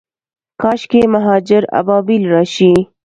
کاشکي مهاجر ابابیل راشي